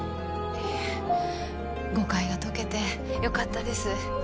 いえ誤解が解けてよかったです。